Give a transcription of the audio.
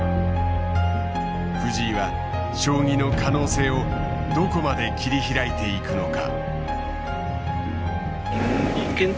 藤井は将棋の可能性をどこまで切り開いていくのか。